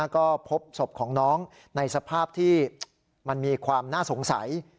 ก็พบศพของน้องในสภาพที่มันมีความน่าสงสัย